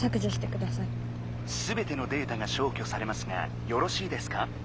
「すべてのデータがしょうきょされますがよろしいですか？」。